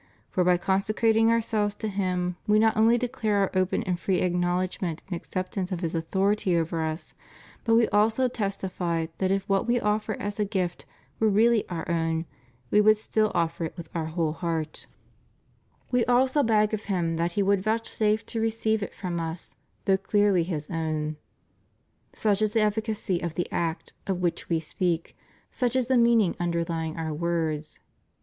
For by consecrating ourselves to Him we not only declare our open and free acknowledgment and acceptance of His authority over us, but we also testify that if what we offer as a gift were really our own, we would still offer it with our whole heart. We also beg > 1 Peter ii. 9. ^ T. 120 Jon. »3 P.. Q. 69 A. 458 CONSECRATION TO THE SACRED HEART OF JESUS. of Him that He would vouchsafe to receive it from us, though clearly His own. Such is the efficacy of the act of which We speak, such is the meaning underlying Our words.